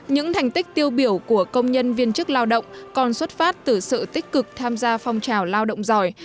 những thành tích tiêu biểu của công nhân viên chức lao động còn xuất phát từ sự tích cực tham gia phong trào lao động giỏi